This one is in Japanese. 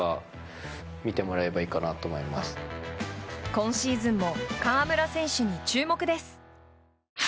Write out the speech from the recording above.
今シーズンも河村選手に注目です！